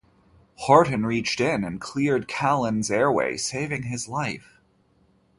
Horton reached in and cleared Kaline's airway, saving his life.